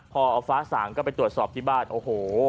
พอเอาฟ้าสางก็ไปตรวจสอบที่บ้านโอ้โห